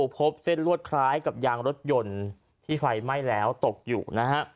พบเส้นลวดคล้ายกับยางรถยนต์ที่ไฟไหม้แล้วตกอยู่นะฮะ